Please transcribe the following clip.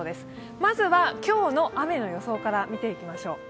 まずは今日の雨の予想から見ていきましょう。